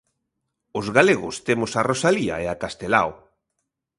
Os galegos temos a Rosalía e a Castelao.